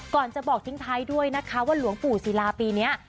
ก่อนจะบอกทิ้งท้ายด้วยนะคะว่าหลวงปู่ศิลาปีนี้